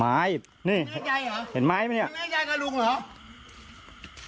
ไม่นี่แน่ใจหรอเห็นไหมมั้ยเนี้ยแน่ใจกับลุงหรอ